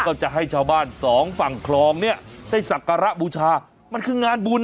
ก็จะให้เจ้าบ้านสองฝั่งคลองได้ศักรบูชามันคืองานบุญ